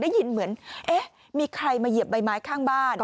ได้ยินเหมือนเอ๊ะมีใครมาเหยียบใบไม้ข้างบ้าน